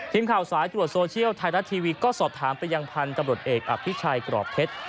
ทีมข่าวสายตรวจโซเชียลไทยรัฐทีวีก็สอบถามไปยังพันธุ์ตำรวจเอกอภิชัยกรอบเพชร